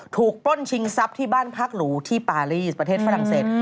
ปล้นชิงทรัพย์ที่บ้านพักหรูที่ปารีสประเทศฝรั่งเศส